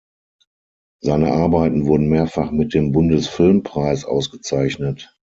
Seine Arbeiten wurden mehrfach mit dem Bundesfilmpreis ausgezeichnet.